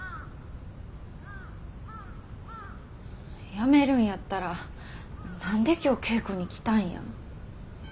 やめるんやったら何で今日稽古に来たんや。